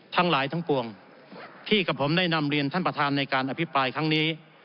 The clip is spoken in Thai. ทั้งหลายทั้งปวงที่กับผมได้นำเรียนท่านประธานในการอภิปรายครั้งนี้